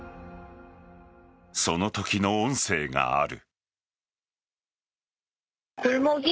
そのときの音声がある。